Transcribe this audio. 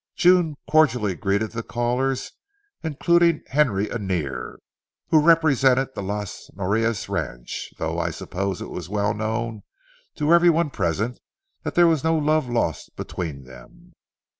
June cordially greeted the callers, including Henry Annear, who represented the Las Norias ranch, though I suppose it was well known to every one present that there was no love lost between them.